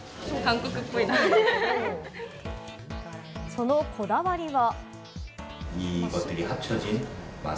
そのこだわりは。